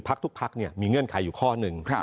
พักทุกพักเนี่ยมีเมื่องื่อนไขอยู่ข้อหนึ่ง